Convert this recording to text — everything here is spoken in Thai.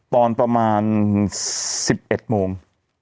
ตอนประมาณ๑๑โมง